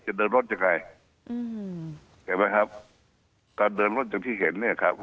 จะเดินรถยังไงอืมเห็นไหมครับการเดินรถอย่างที่เห็นเนี่ยครับ